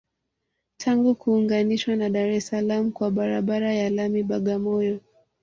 Tangu kuunganishwa na Dar es Salaam kwa barabara ya lami Bagamoyo